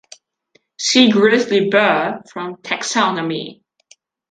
See grizzly bear for taxonomy.